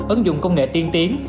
ứng dụng công nghệ tiên tiến